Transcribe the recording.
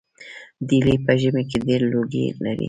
ډیلي په ژمي کې ډیر لوګی لري.